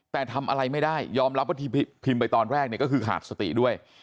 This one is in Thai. แต่ทำอะไรไม่ได้ยอมรับว่าที่พิมพ์ไปตอนแรกเนี่ยก็คือขาดสติด้วย